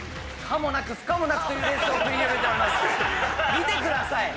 見てください。